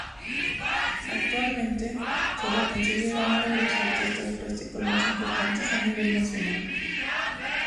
Actualmente, se lo considera uno de los artistas plásticos más importantes a nivel nacional.